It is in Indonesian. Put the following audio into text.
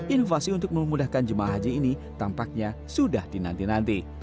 inovasi untuk memudahkan jemaah haji ini tampaknya sudah dinanti nanti